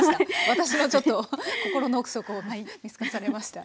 私のちょっと心の奥底を見透かされました。